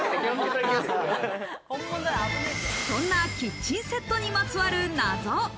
そんなキッチンセットにまつわる謎。